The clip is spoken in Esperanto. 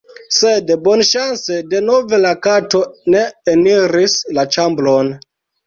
Sed, bonŝance denove la kato ne eniris la ĉambron.